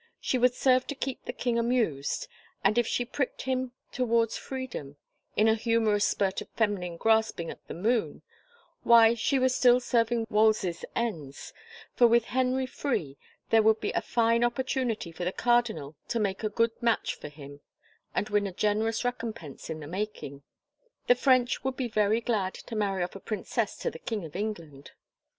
She would serve to keep the king amused and if she pricked him towards freedom, in a humorous spurt of feminine grasping at the moon, why she was still serving Wolsey's ends, for with Henry free there would be a fine opportunity for the cardinal to make a good match for him and win a generous recompense in the making. The French would be very glad to marry off a princess to the king of England.